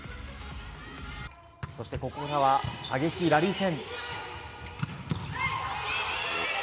そしてここからは激しいラリー戦。